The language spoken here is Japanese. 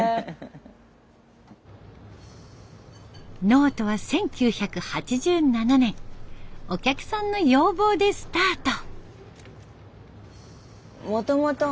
ノートは１９８７年お客さんの要望でスタート。